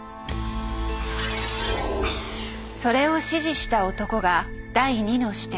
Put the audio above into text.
それを指示した男が第２の視点。